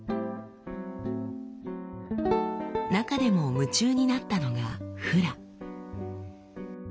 中でも夢中になったのが「フラ」。